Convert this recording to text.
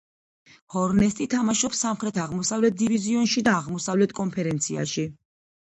ჰორნეტსი თამაშობს სამხრეთ-აღმოსავლეთ დივიზიონში და აღმოსავლეთ კონფერენციაში.